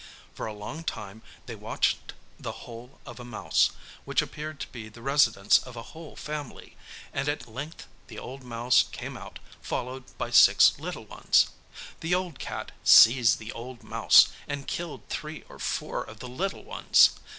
For a long time they watched the hole of a mouse, which appeared to be the residence of a whole family, and at length the old mouse came out followed by six little ones. The old cat seized the old mouse, and killed three or four of the little ones.